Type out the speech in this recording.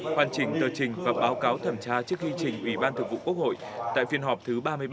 hoàn chỉnh tờ trình và báo cáo thẩm tra trước khi trình ủy ban thượng vụ quốc hội tại phiên họp thứ ba mươi ba